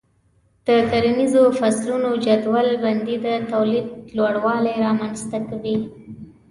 د کرنیزو فصلونو جدول بندي د تولید لوړوالی رامنځته کوي.